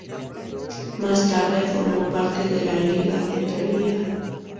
Más tarde formó parte de la Liga Etolia.